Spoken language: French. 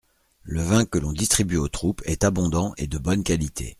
Le vin que l'on distribue aux troupes est abondant et de bonne qualité.